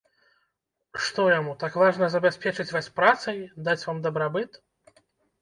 Што яму, так важна забяспечыць вас працай, даць вам дабрабыт?